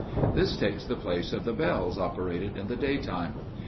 This takes the place of the bells operated in the daytime.